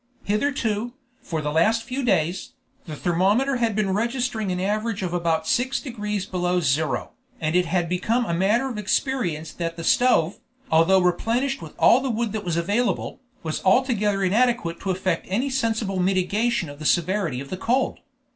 Hitherto, for the last few days, the thermometer had been registering an average of about 6 degrees below zero, and it had become matter of experience that the stove, although replenished with all the wood that was available, was altogether inadequate to effect any sensible mitigation of the severity of the cold.